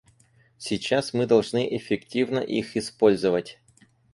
Сейчас мы должны эффективно их использовать.